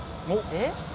えっ？